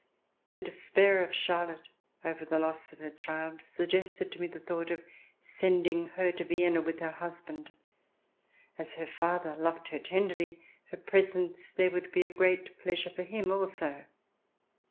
The despair of Charlotte over the loss of her child suggested to me the thought of sending her to Vienna with her husband. As her father loved her tenderly, her presence there would be a great i)leasure for him also.